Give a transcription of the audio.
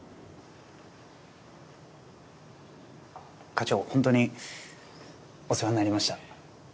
課長本当にお世話になりました。